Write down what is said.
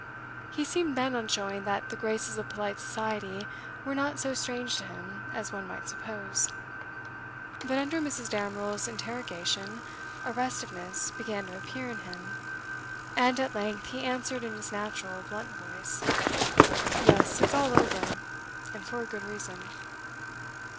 He seemed bent on showing that the graces of polite society were not so strange to him as one might suppose. But under Mrs. Damerel's interrogation a restiveness began to appear in him, and at length he answered in his natural blunt voice: 'Yes, it's all over and for a good reason.